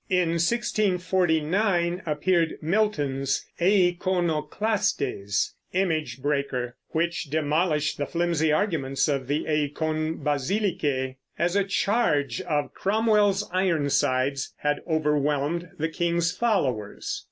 In 1649 appeared Milton's Eikonoklastes (Image Breaker), which demolished the flimsy arguments of the Eikon Basilike as a charge of Cromwell's Ironsides had overwhelmed the king's followers.